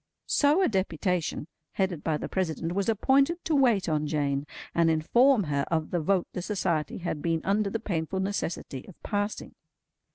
So a deputation, headed by the President, was appointed to wait on Jane, and inform her of the vote the Society had been under the painful necessity of passing.